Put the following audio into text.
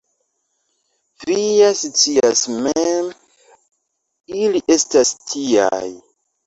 Vi ja scias mem, ili estas tiaj.